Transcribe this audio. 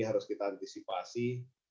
harus kita antisipasi